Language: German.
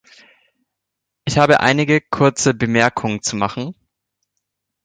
Ich habe einige kurze Bemerkungen zu machen.